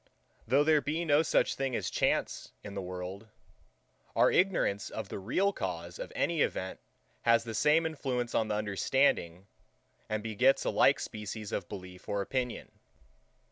Though there be no such thing as Chance in the world; our ignorance of the real cause of any event has the same influence on the understanding, and begets a like species of belief or opinion.